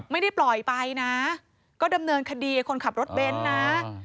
ไม่ได้ปล่อยไปนะก็ดำเนินคดีกับคนขับรถเบนท์นะ